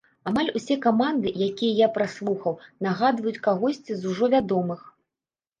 Амаль ўсе каманды, якія я праслухаў, нагадваюць кагосьці з ужо вядомых.